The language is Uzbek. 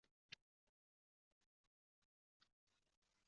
Kuchli ovqat tufayli semizlik, qon bosimi, insult kabi illatlar kelib chiqadi.